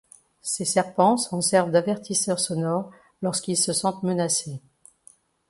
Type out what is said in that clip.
Ces serpents s'en servent d'avertisseur sonore lorsqu'ils se sentent menacés.